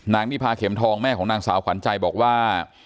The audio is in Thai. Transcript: นิพาเข็มทองแม่ของนางสาวขวัญใจบอกว่า